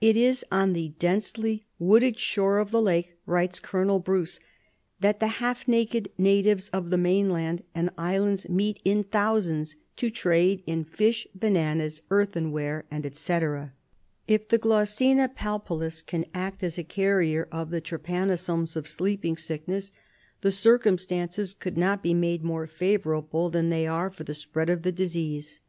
"It is on the denselv wooded shore of the lake," writes Colonel Bruce, "that the half naked natives of the mainland and islands meet in thousands to trade in fish, bananas, earthenware, &c. If the Glossina palpalis can act as a carrier of the trypanosomes of sleeping sickness, the circum stances could not be made more favourable than they are for the spread of the disease."